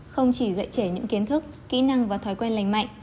không chỉ dạy trẻ những kiến thức kỹ năng và thói quen lành mạnh